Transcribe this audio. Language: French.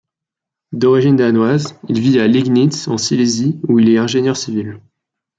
D’origine danoise, il vit à Liegnitz en Silésie où il est ingénieur civil.